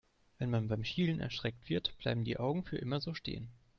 Wenn man beim Schielen erschreckt wird, bleiben die Augen für immer so stehen.